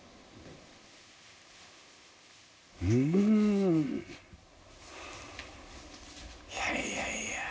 うんいやいやいや。